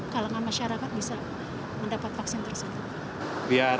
kalangan masyarakat bisa mendapat vaksin tersebut